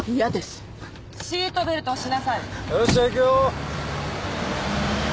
よっしゃ行くよ。